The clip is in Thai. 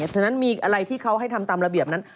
ฉะนั้นมีอะไรที่เขาให้ทำตามระเบียบนั้น